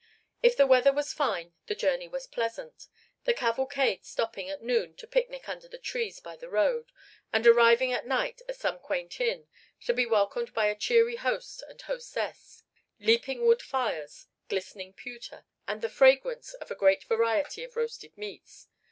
If the weather was fine the journey was pleasant, the cavalcade stopping at noon to picnic under the trees by the road, and arriving at night at some quaint inn, to be welcomed by a cheery host and hostess, leaping wood fires, glistening pewter, and the fragrance of a great variety of roasted meats.